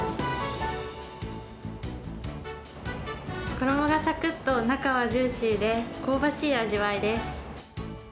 衣がさくっと、中はジューシーで香ばしい味わいです。